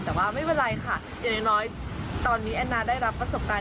แต่ว่าไม่เป็นไรค่ะอย่างน้อยตอนนี้แอนนาได้รับประสบการณ์